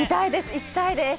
行きたいです！